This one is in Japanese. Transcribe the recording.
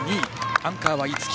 アンカーは逸木。